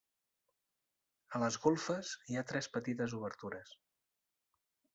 A les golfes hi ha tres petites obertures.